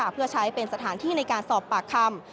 เพื่อใช้เป็นสถานที่ในการสอบปากคำ